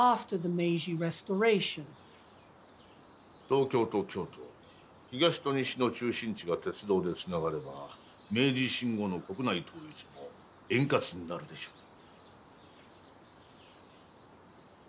東京と京都東と西の中心地が鉄道でつながれば明治維新後の国内統一も円滑になるでしょう。